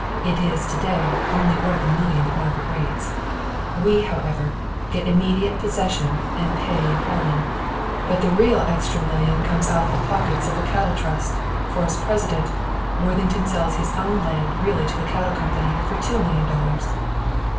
It is to day only worth a million at market rates. We, however, get immediate possession and pay in hauling, but the real extra million comes out of the pockets of the Cattle Trust, for as President, Worthington sells his own land really to the Cattle Company for two million dollars.